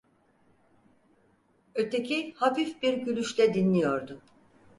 Öteki hafif bir gülüşle dinliyordu.